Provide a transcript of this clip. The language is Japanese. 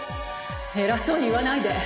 偉そうに言わないで！